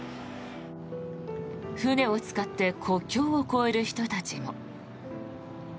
船を使って国境を越える人たちも。